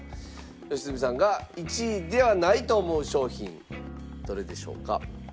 良純さんが１位ではないと思う商品どれでしょうか？